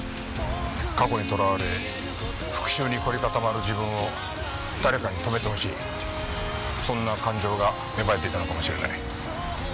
過去にとらわれ復讐に凝り固まる自分を誰かに止めてほしいそんな感情が芽生えていたのかもしれない。